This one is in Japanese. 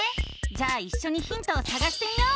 じゃあいっしょにヒントをさがしてみよう！